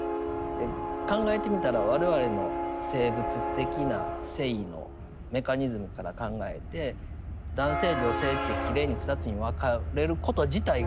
考えてみたら我々の生物的な性のメカニズムから考えて男性女性ってきれいに２つに分かれること自体が不思議ですよね。